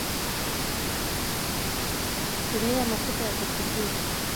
tumia mafuta ya kupikia